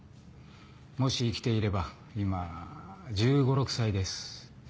もし生きていれば今１５１６歳です。